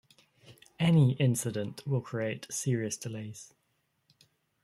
Any incident will create serious delays.